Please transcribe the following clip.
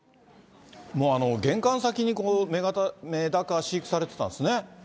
もう玄関先にメダカ飼育されてたんですね。